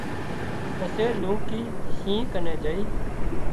پسي لونڪي شينهن ڪنين جھئي